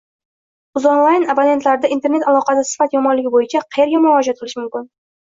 “Uzonline” abonentlarida internet aloqasi sifati yomonligi bo’yicha qaerga murojaat qilish mumkin?